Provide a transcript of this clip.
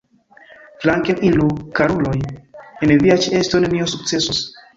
Flanken iru, karuloj, en via ĉeesto nenio sukcesos!